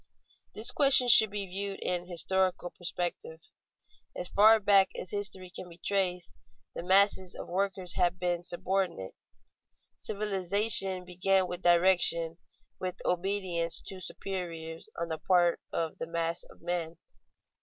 _ This question should be viewed in historical perspective. As far back as history can be traced, the masses of workers have been subordinate. Civilization began with direction, with obedience to superiors on the part of the mass of men.